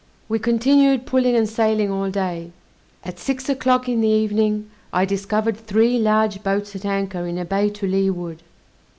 We continued pulling and sailing all day. At six o'clock in the evening I discovered three large boats at anchor in a bay to leeward.